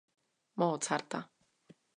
Mozarta.